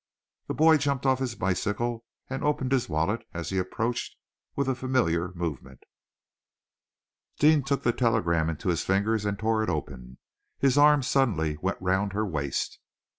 The boy jumped off his bicycle and opened his wallet, as he approached, with a familiar movement. Deane took the telegram into his fingers and tore it open. His arm suddenly went round her waist.